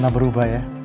gimana berubah ya